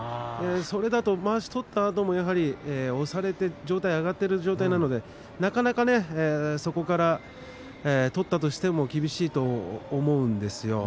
それだとまわしを取ったあと押されて上体が上がっている状態なので、なかなかそこから取ったとしても厳しいと思うんですよ。